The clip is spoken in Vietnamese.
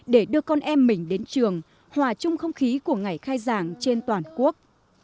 để đưa con em mình đến trường hòa chung không khí của ngày khai giảng trên toàn quốc